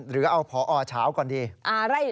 หรือเอาพอเช้าก่อนดี